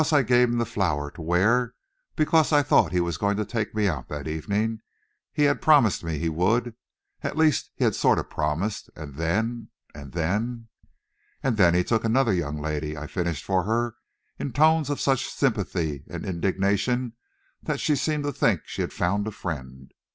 I gave him the flower to wear because I thought he was going to take me out that evening. He had promised he would, at least he had sort of promised, and then, and then " "And then he took another young lady," I finished for her in tones of such sympathy and indignation that she seemed to think she had found a friend.